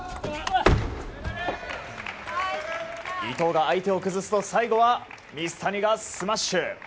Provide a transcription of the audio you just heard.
伊藤が、相手を崩すと最後は水谷がスマッシュ！